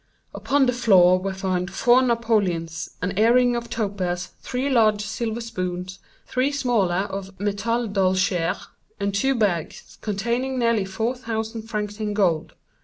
Upon the floor were found four Napoleons, an ear ring of topaz, three large silver spoons, three smaller of métal d'Alger, and two bags, containing nearly four thousand francs in gold.